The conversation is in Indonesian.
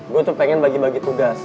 gue tuh pengen bagi bagi tugas